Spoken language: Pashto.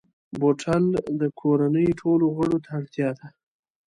بوتل د کورنۍ ټولو غړو ته اړتیا ده.